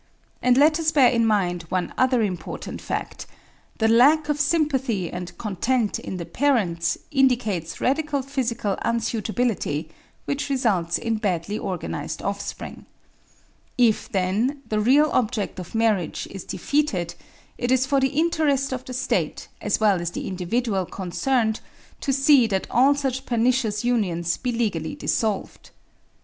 And let us bear in mind one other important fact: the lack of sympathy and content in the parents indicates radical physical unsuitability, which results in badly organized offspring. If, then, the real object of marriage is defeated, it is for the interest of the State, as well as the individual concerned, to see that all such pernicious unions be legally dissolved.